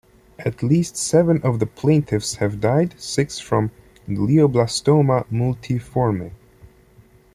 At least seven of the plaintiffs have died, six from glioblastoma multiforme.